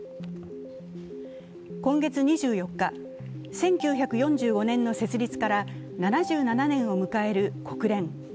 今月２４日、１９４５年の設立から７７年を迎える国連。